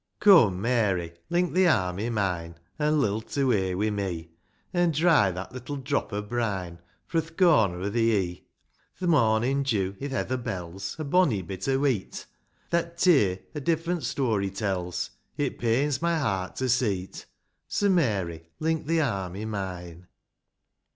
OME, Mary, link thi arm i' mine, An' lilt away wi' me ; An' dry that little drop o' brine, Fro' th' corner o' thi e'e ;• Th' mornin' dew i'th heather bell's A bonny bit o' weet ; That tear a different story tells, — It pains my heart to see't. So, Mary, link thi arm i' mine.